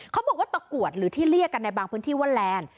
เขาบอกว่าตะกรวดหรือที่เรียกกันในบางพื้นที่ว่าแลนด์